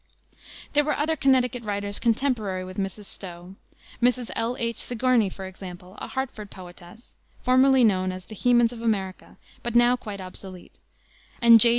There were other Connecticut writers contemporary with Mrs. Stowe: Mrs. L. H. Sigourney, for example, a Hartford poetess, formerly known as "the Hemans of America," but now quite obsolete; and J.